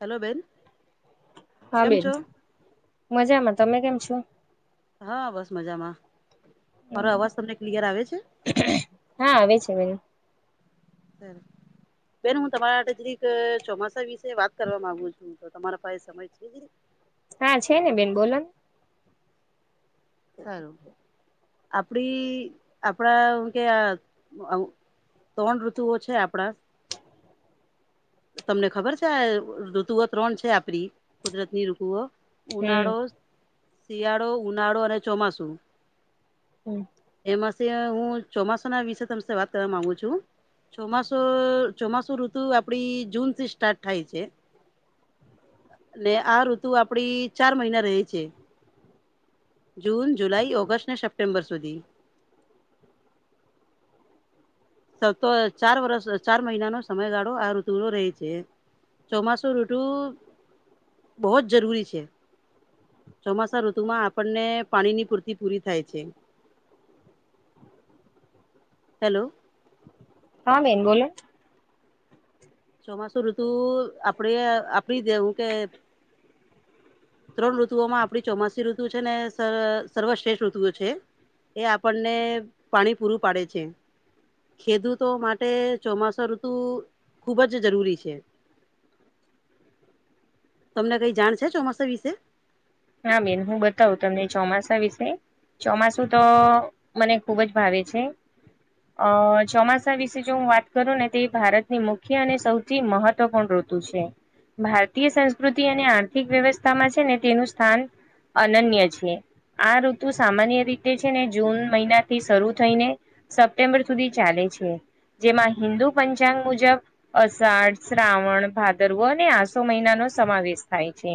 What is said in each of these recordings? Hello બેન. હા કેમ બેન છો મજામાં. તમે કેમ છો? હા બસ મજામાં. મારો અવાજ તમને ક્લિયર આવે છે? હા આવે છે બેન બેન હું તમારા [unintelligible] ચોમાસા વિશે વાત કરવામાં માંગુ છું. તો તમારા પાહે સમય છે. [unintelligible] હા છે ને. બેન બોલોને. સારું, આપડી આપડા કે આ [unintelligible] ત્રણ ઋતુઓ છે આપડા તો તમને ખબર છે આ ઋતુઓ ત્રણ છે આપડી કુદરતની ઋતુઓ. ને ઉનાળો, શિયાળો, ઉનાળો અને ચોમાસું. હમ્મ. એમાં સે હું ચોમાસના વિશે તમસે વાત કરવા માંગુ છું. ચોમાસું-ચોમાસું ઋતુ આપડી જૂનથી સ્ટાર્ટ થાય છે. ને આ ઋતુ આપડી ચાર મહિના રહે છે. જૂન, જુલાઈ, ઓગસ્ટ ને સપ્ટેમ્બર સુધી. સતો ચાર વર્ષ ચાર મહિનાનો સમયગાળો આ ઋતુનો રહે છે. ચોમાસું ઋતુ બહોત જરૂરી છે. ચોમાસા ઋતુમાં આપણને પાણીની પૂર્તિ પૂરી થાય છે. હેલો. હા બેન બોલો. ચોમાસુ ઋતુ આપડે-આપડી દે હુ કે ત્રણ ઋતુઓમાં આપડી ચોમાસી ઋતુ છે ને સર-સર્વશ્રેષ્ઠ ઋતુઓ છે. એ આપણને પાણી પૂરું પાડે છે. ખેદુતો માટે ચોમાસા ઋતુ ખુબ જ જરૂરી છે. તમને કંઈ જાણ છે ચોમાસા વિશે? હા બેન, હું બતાવું તમને ચોમાસા વિશે. ચોમાસું તો મને ખુબ જ ભાવે છે. અ ચોમાસા વિશે જો હું વાત કરુંને તે ભારતની મુખ્ય અને સૌ થી મહત્વપૂર્ણ ઋતુ છે. ભારતીય સંસ્કૃતિ અને આર્થિક વ્યવસ્થામાં છે ને તેનું સ્થાન અનન્ય છે. આ ઋતુ સામાન્ય રીતે છે ને જૂન મહિનાથી શરૂ થઈને સપ્ટેમ્બર સુધી ચાલે છે. જેમાં હિન્દુ પંચાંગ મુજબ અષાઢ, શ્રાવણ, ભાદરવો અને આસો મહિનાનો સમાવેશ થાય છે.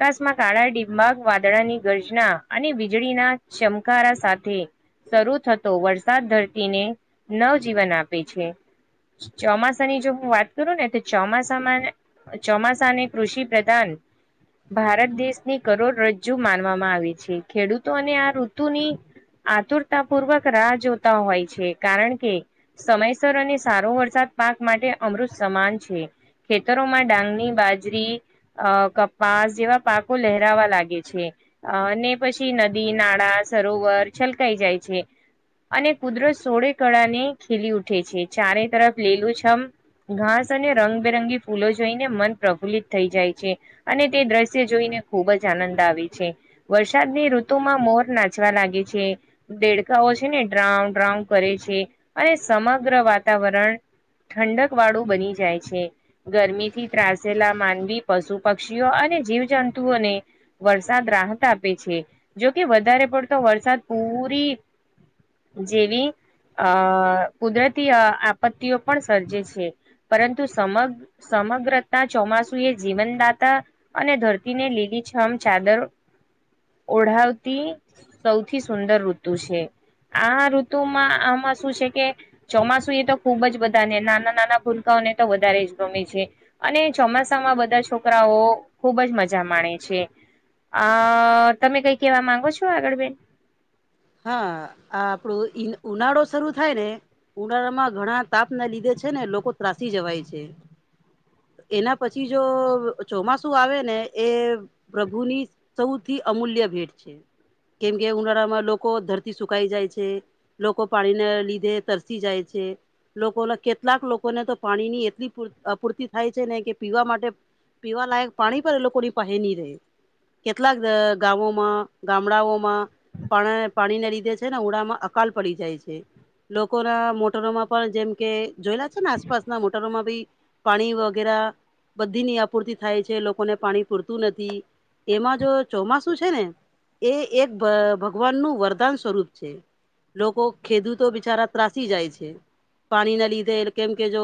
કાશમાં કાળા ડિંબાગ વાદળાની ગર્જના અને વીજળીના ચમકારા સાથે શરૂ થતો વરસાદ ધરતીને નવજીવન આપે છે. ચોમાસાની જો હું વાત કરું ને તે ચોમાસામાં ચોમાસાને કૃષિ પ્રધાન ભારત દેશની કરોડરજ્જુ માનવામાં આવે છે. ખેડૂતો અને આ ઋતુની આતુરતા પૂર્વક રાહ જોતા હોય છે, કારણ કે સમયસર અને સારો વરસાદ પાક માટે અમૃત સમાન છે. ખેતરોમાં ડાંગની બાજરી અને કપાસ જેવા પાકો લહેરાવા લાગે છે. અને પછી નદી, નાળા, સરોવર છલકાઈ જાય છે. અને કુદરત સોળે કળા ને ખીલી ઉઠે છે, ચારે તરફ લીલુંછમ. ઘાસ અને રંગબેરંગી ફૂલો જોઈને મન પ્રફુલ્લિત થઈ જાય છે. અને તે દ્રશ્ય જોઈને ખુબ જ આનંદ આવે છે. વરસાદની ઋતુમાં મોર નાચવા લાગે છે. દેડકાઓ છે ને, ડ્રાઉ-ડ્રાઉ કરે છે, અને સમગ્ર વાતાવરણ ઠંડક વાળું બની જાય છે, ગરમીથી ત્રાસેલા માનવી પશુ પક્ષીઓ અને જીવજંતુઓને વરસાદ રાહત આપે છે, જોકે વધારે પડતો વરસાદ પૂરી જેવી અ કુદરતી આપત્તિઓ પણ સર્જે છે. પરંતુ સમગ સમગ્રતા ચોમાસુ એ જીવનદાત તા અને ધરતીને લીલીછમ ચાદર ઓઢાવતી સૌથી સુંદર ઋતુ છે, આ ઋતુમાં આમાં શું છે કે? ચોમાસુ એ તો ખુબ જ બધા ને, નાના-નાના ભૂલકાઓને તો વધારે જ ગમે છે. અને ચોમાસામાં બધા છો છોકરાઓ ખુબ જ મજા માણે છે, આ તમે કઈ કેવા માંગો છો? આગળ બેન. હા, આ આપડું ઉનાળો શરૂ થાય ને. ઉનાળામાં ઘણા તાપ ના લીધે છે ને, લોકો ત્રાસી જવાય છે. એના પછી જો ચોમાસુ આવે ને, એ પ્રભુની સૌથી અમૂલ્ય ભેટ છે, કેમ કે ઉનાળામાં લો કો ધરતી સુકાઈ જાય છે, લોકો પાણીને લીધે તરસી જાય છે. લોકોને કેટલાક લોકોને તો પાણી ની એટલી અપૂરતી થાય છે, ને કે પીવા માટે પીવા લાયક પાણી પર એ લોકોની પહે નહીં રહે. કેટલાક ગામોમાં ગામડાઓમાં પણ પાણી ના લીધે છે ને, ઉડામાં અકાલ પડી જાય છે, લોકોના મોટરોમાં પણ જેમ કે જોયેલા છે ને, આસપાસના મોટરોમાં ભી પાણી વગેરા. બધી ની આપૂર્તિ થાય છે, લોકોને પાણી પૂરતું નથી. એમાં જો ચોમાસું છે ને, એ એક ભગવાન નું વરદાન સ્વરૂપ છે. લોકો ખેડૂતો બિચારા ત્રાસી જાય છે. પાણી ના લીધે એ, કેમ કે જો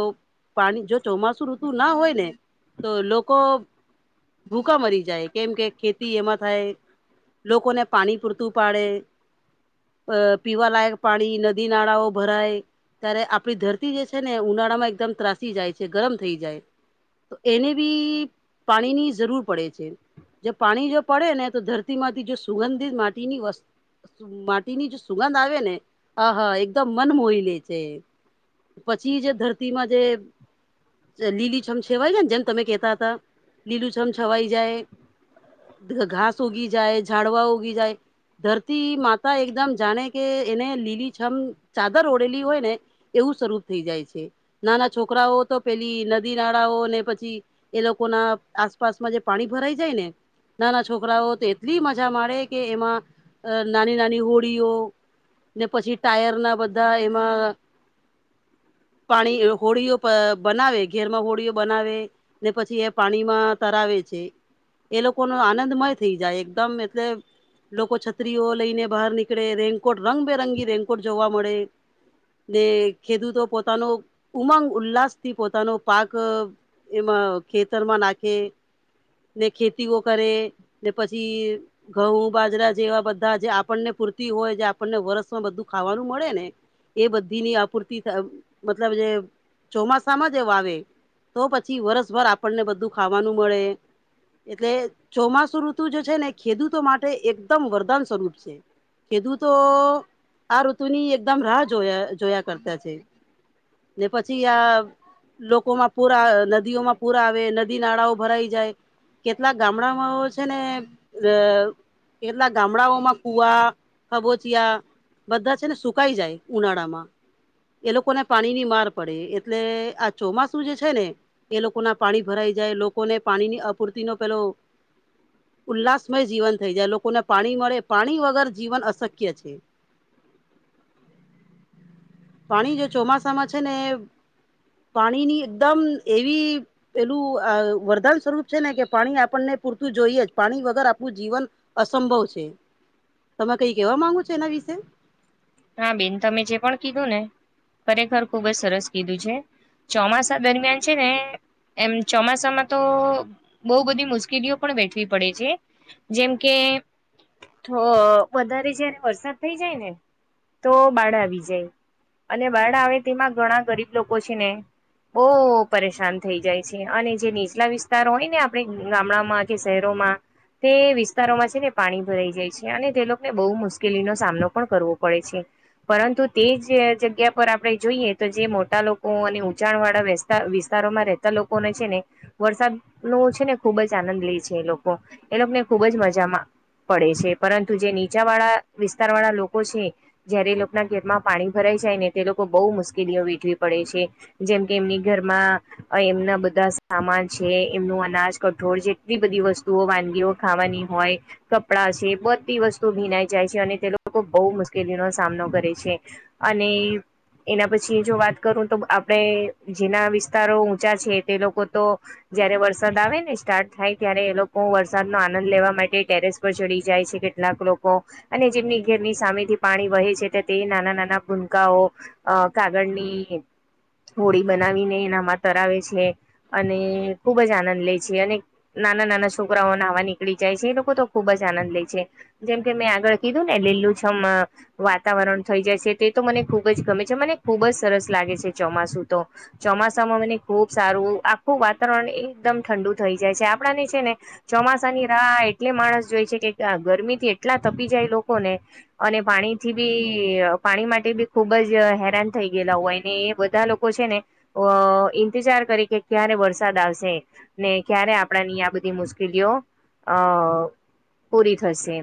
પાણી જો ચોમાસુ ઋતુ નું હોય. તો લોકો ભૂકા મરી જાય, કેમ કે ખેતી એમાં થાય. લોકોને પાણી પૂરતું પાડે. અ પીવાલાયક પાણી નદી, નાળાઓ ભરાય. ત્યારે આપણી ધરતી જે છે ને, ઉનાળામાં એકદમ ત્રાસી જાય છે, ગરમ થઈ. તો એને બી પાણીની જરૂર પડે છે. જો પાણી જો પડે ને, તો ધરતીમાંથી જો સુગંધિત માટીની વસ્તુ માટીની જો સુગંધ આવે ને, આહા એકદમ મન મોહી લે છે. પછી જે ધરતીમાં જે લીલી છમ છવાઈ જાય ને, જેમ તમે કેતા હતા, લીલું છમ છવાઈ જાય. ઘાસ ઉગી જાય, ઝાડવા ઉગી જાય. થી માતા એકદમ જાણે કે એને લીલી છમ ચાદર ઓઢેલી હોય ને. એવું સ્વરૂપ થઈ જાય છે નાના છોકરાઓ તો પેલી નદી નાળાઓ ને પછી એ લોકો ના આસપાસમાં જે પાણી ભરાઈ જાય ને નાના છોકરાઓ તો એટલી મજા માળે કે એમાં નાની-નાની હોડીઓ ને પછી ટાયર ના બધા એમાં પાણી હોળીઓ બનાવે, ઘેરમાં હોળીઓ બનાવે. ને પછી એ પાણીમાં તરાવે છે. એ લોકો નો આનંદમય થઈ જાય એકદમ એટલે લોકો છ ત્રી ઓ લઈને બહાર નીકળે, રેનકોટ રંગબેરંગી રેનકોટ જોવા મળે. ને ખેડુતો પોતાનો ઉમંગ ઉલ્લાસ થી પોતાનો પાક એમાં ખેતરમાં નાખે. ને ખેતીઓ કરે પછી ઘઉં બાજરા જેવા બધા જે આપણને પૂરતી હોય જે આપણને વર્ષમાં બધું ખાવાનું મળે ને. એ બધીની અપુરતી મતલબ જે ચોમાસામાં જે વાવે. તો પછી વરસભર આપણને બધું ખાવાનું મળે. એટલે ચોમાસુ ઋતુ જે છે ને ખેડૂતો માટે એકદમ વરદાન સ્વરૂપ છે. ખેડૂતો આ ઋતુની એકદમ રાહ જોયા- જોયા કરતા છે. ને પછી આ લોકોમાં પૂર આવે, નદીઓમાં પૂરા આવે નદી નાળાઓ ભરાઈ જાય. કેટલાક ગામડામાંઓ છે ને અ કેટલા ગામડાઓમાં કુવા, ખબોચિયા બધા છે ને સુકાઈ જાય ઉનાળા માં. એ લોકો ને પાણી ની માર પડે એટલે આ ચોમાસું જે છે ને. એ લોકો ના પાણી ભરાઈ જાય. લોકોને પાણીની અપૂર્તિ ન પેલો ઉલ્લાસમય જીવન થઈ જાય. લોક લોકોને પાણી મળે, પાણી વગર જીવન અશક્ય છે. પાણી જો ચોમાસામાં છે ને પાણીની એકદમ એવી પેલું અ વરદાન સ્વરૂપ છે ને કે પાણી આપણને પૂરતું જોઈએ જ. પાણી વગર આપણું જીવન અસંભવ છે. તમે કઈ કેવા માંગો છો એના વિશે? હા, બેન તમે જે પણ કીધું ને, ખરેખર ખુબ જ સરસ કીધું છે. ચોમાસા દરમિયાન છે ને એમ ચોમાસામાં તો. બઉ બધી મુશ્કેલીઓ પણ વેઠવી પડે છે, જેમ કે થો, વધારે જયારે વરસાદ થઇ જાય ને. તો બાઢ આવી જાય અને બાઢ આવે તેમાં ઘણા ગરીબ લોકો છે ને બો પરેશાન થઈ જાય છે અને જે નીચલા વિસ્તાર હોય ને આપણે ગામડામાં કે શહેરોમાં. તે વિસ્તારોમાં છે ને પાણી ભરાઈ જાય છે. અને તે લોકોને બહુ મુશ્કેલીનો સામનો પણ કરવો પડે છે. પરંતુ તે જ જગ્યા પર આપણે જોઈએ તો જે મોટા લોકો અને ઊંચાણ વાળા વિસ તાર વિસ્તારોમાં રહેતા લોકોને છે ને વરસાદ નો છે ને ખુબ જ આનંદ લે છે એ લોકો. એ લોકોને ખુબ જ મજામાં પડે છે. પરંતુ જે નીચા વાળા વિસ્તાર વાળા લોકો છે. જયારે એ લોકોના ઘેરમાં પાણી ભરાય જાય ને તે લોકો બહુ મુશ્કેલીઓ વેઠવી પડે છે. જેમકે એમની ઘરમાં અ એમના બધા સામાન છે. એમનું અનાજ, કઠોળ જેટલી બધી વસ્તુઓ, વાનગીઓ. ખાવાની હોય કપડાં છે, બધી વસ્તુ ભીનાય જાય છે, તે લોકો બહુ મુશ્કેલી નો સામનો કરે છે, અને એના પછી જો વાત કરું તો, આપણેે જેના વિસ્તારો ઊંચા છે, તે લોકો તો જયારે વરસાદ આવે ને, સ્ટાર્ટ થાય, ત્યારે એ લોકો વરસાદ નો આનંદ લેવા માટે ટેરેસ ચડી જાય છે, કેટલાક લોકો અને જેમની ઘરની સામેથી પાણી વહે છે, તે નાના-નાના ભૂનકાઓ કાગળની હોળી બનાવીને એનામાં તરાવે છે, અને ખુબ જ આનંદ લે છે, અને નાના-નાના છોકરાઓ નાવા નીકળી જાય છે, એ લોકો તો ખુબ જ આનંદ લે છે. જેમ કે, મેં આગળ કીધું ને, લીલુંછમ વાતાવરણ થઈ જાય છે, તે તો મને ખુબ જ ગમે છે, મને ખુબ જ સરસ લાગે છે, ચોમાસું તો. ચોમાસામાં મને ખુબ સારું આખું વાતાવરણ એકદમ ઠંડુ થઈ જાય છે, આપણાને છે ને. ચોમાસા ની રાહ એટલે માણસ જોય કે, ગરમીથી એટલા તપી લોકોને અને પાણીથી બી પાણી માટે બી ખુબ જ હેરાન થઈ ગયેલા હોય, ને એ બધા લોકો છે ને. અ ઈંતજાર કરી કે, ક્યારે વરસાદ આવશે? ને ક્યારે આપણાની આ બધી મુશ્કેલીઓ અ પૂરી થશે.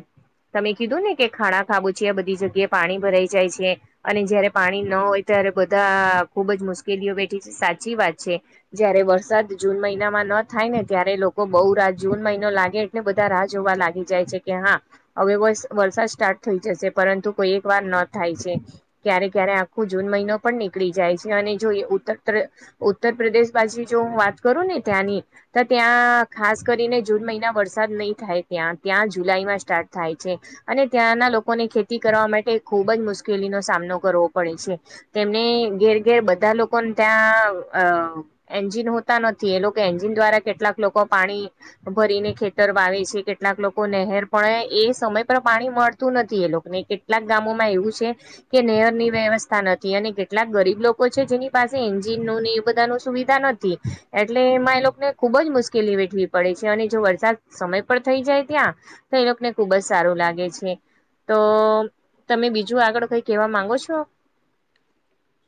તમે કીધુંને કે, ખાડા ખાબોચિયા બધી જગ્યાએ પાણી ભરાઈ જાય છે. અને જયારે પાણી ન હોય, ત્યારે બધા ખુબ જ મુશ્કેલીઓ વેઠી છે, સાચી વાત છે. જયારે વરસાદ જૂન મહિનામાં થાયને, ત્યારે લોકો બહુ રાત જૂન મહિનો લાગે. બધા રાહ જોવા લાગી જાય છે કે, હા હવે, વરસાદ સ્ટાર્ટ થઈ જશે. પરંતુ કોઈ એક વાર ન થાય છે. ક્યારે ક્યારે આખું જૂન મહિનો પણ નીકળી જાય છે, અને જોઈ ઉત્ત ઉત્તર પ્રદેશ બાજુ જો હું વાત કરુંને, ત્યાંની તો ત્યાં ખાસ કરીને, જૂન મહિના વરસાદ નહીં થાય, ત્યાં ત્યાં જુલાઈમાં સ્ટાર્ટ થાય છે. અને ત્યાંના લોકોને ખેતી કરવા માટે ખુબ જ મુશ્કેલીનો સામનો કરવો પડે છે. તેમને ઘેર-ઘેર બધા લોકોને ત્યાં અ એન્જિન હોતા નથી, એ લોકો એન્જિન દ્વારા કેટલાક લોકો પાણી ભરીને ખેતર વાવે છે, કેટલાક લોકો નહેર પણ એ સમય પર પાણી મળતું નથી, એ લોકો અને કેટલાક ગામોમાં એવું છે. કે નેરની વ્યવસ્થા નથી, અને કેટલાક ગરીબ લોકો છે, જેની પાસે એન્જિનનુંને એ બધાનું સુવિધા નથી. એટલે એમાં એ લોકોને ખુબ જ મુશ્કેલી વેઠવી પડે છે, અને જો વરસાદ સમય પણ થઈ જાય, ત્યાં તો એ લોકોને ખુબ જ સારું લાગે છે. તો તમે બીજું આગળ કઈ કહેવા માંગો છો?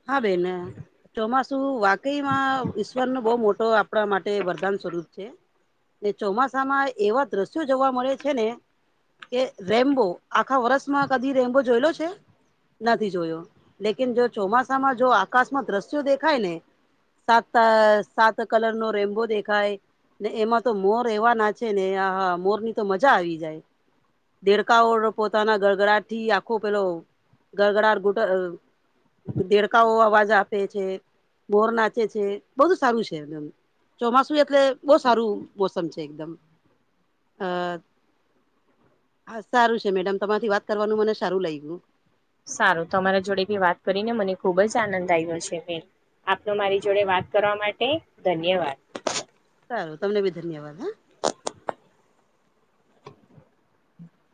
હવે ને‌. ચોમાસુ વાકઈમાં ઈશ્વરનનુઓ બહુ મોટો આપણા માટે વરદાન સ્વરૂપ છે. ચોમાસામાં એવા દ્રશ્યો જોવા મળે છે ને. કે રેમબો આખા વર્ષમાં કદી રેમ્બો જોયલો છે? નથી જોયો, લેકીન જો ચોમાસામાં જો આકાશમાં દ્રશ્યો દેખાયને. સાત-સાત કલરનો રેમ્બો દેખાય. ને એમાં તો મોર એવાના છે ને, આા મોરની તો મજા આવી જાય. દેડકા ઓર પોતાના ગરગડાટથી આખો, પેલો ગગડાટ ગુટ દેડકાઓ અવાજ આપે છે, મોર નાચે છે, બહુ સારું છે. ચોમાસું એટલે બહુ સારું મોસમ છે, એકદમ આ હા સારું છે મેડમ, તમારેથી વાત કરવાનું મને સારું લાગ્યું. સારું તમારા જોડે ભી વાત કરીને, મને ખુબ જ આનંદ આવ્યો છે, મે આપનો મારી જોડે વાત કરવા માટે, ધન્યવાદ. સારું. તમને બી ધન્યવાદ હો. [inaudible]